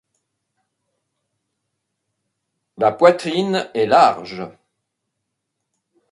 La poitrine est large.